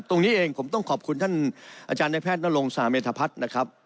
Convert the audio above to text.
ตรงนี้เองผมต้องขอบคุณท่านอาจารย์ในแพทย์นรงศาเมธพัฒน์นะครับ